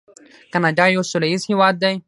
کاناډا یو سوله ییز هیواد دی.